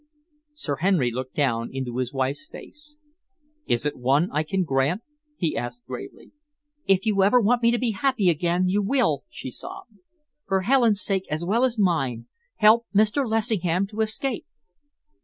Sir Henry looked down into his wife's face. "Is it one I can grant?" he asked gravely. "If you want me ever to be happy again, you will," she sobbed. "For Helen's sake as well as mine, help Mr. Lessingham to escape."